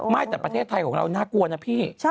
แต่ประเทศไทยของเราน่ากลัวนะพี่